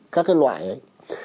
các cái loại ấy